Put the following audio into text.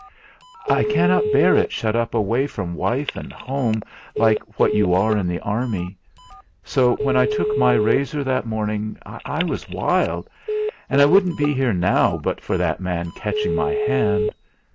"I cannot bear it shut up away from wife and home like what you are in the army. So when I took my razor that morning I was wild an' I wouldn't be here now but for that man catching my hand.